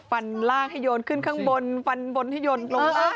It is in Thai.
ล่างให้โยนขึ้นข้างบนฟันบนให้โยนลง